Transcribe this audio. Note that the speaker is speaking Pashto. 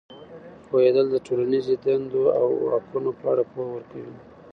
پوهېدل د ټولنیزې دندو او حقونو په اړه پوهه ورکوي.